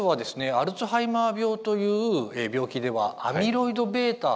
アルツハイマー病という病気では「アミロイドβ」というですね